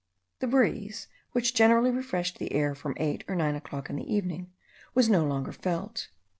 The breeze, which generally refreshed the air from eight or nine o'clock in the evening, was no longer felt.